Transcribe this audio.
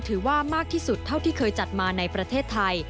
ถือว่ามากที่สุดเท่าที่เคยจัดมาในประเทศไทย